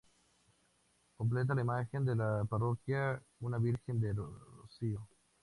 Completa la imaginería de la parroquia, una Virgen del Rocío.